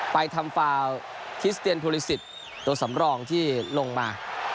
ไปทำฟาวทิสเตียนภูลิสิตตัวสำรองที่ลงมา